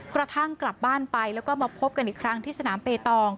กระทั่งกลับบ้านไปแล้วก็มาพบกันอีกครั้งที่สนามเปตอง